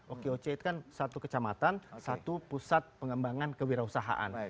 okoc itu kan satu kecamatan satu pusat pengembangan kewirausahaan